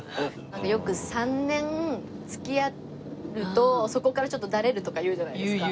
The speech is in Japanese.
よく３年付き合うとそこからちょっとダレるとかいうじゃないですか。